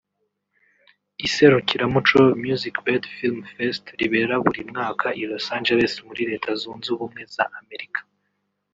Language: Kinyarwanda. Iserukiramuco Musicbed Film Fest ribera buri mwaka i Los Angeles muri Leta Zunze Ubumwe za Amerika